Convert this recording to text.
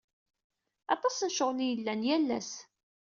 Aṭas n ccɣel i yellan yal ass.